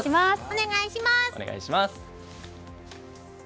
お願いします！